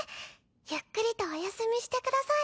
ゆっくりとお休みしてください。